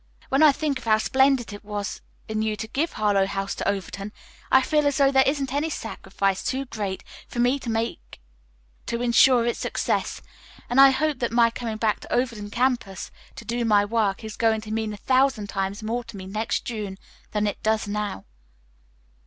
When I think of how splendid it was in you to give Harlowe House to Overton, I feel as though there isn't any sacrifice too great for me to make to insure its success, and I hope that my coming back to Overton Campus to do my work is going to mean a thousand times more to me next June than it does now."